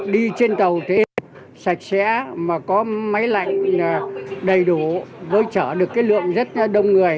đi trên tàu thì sạch sẽ mà có máy lạnh đầy đủ với chở được cái lượng rất đông người